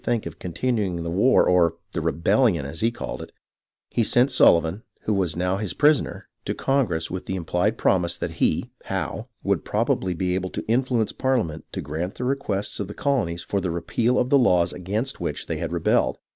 think of continuing the war, or the " rebellion," as he called it, he sent Sullivan, who was now his prisoner, to Il8 HISTORY OF THE AMERICAN REVOLUTION Congress with the implied promise that he [Howe] would probably be able to influence Parliament to grant the requests of the colonies for the repeal of the laws against which they had rebelled.